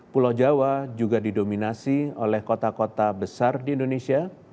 pulau jawa juga didominasi oleh kota kota besar di indonesia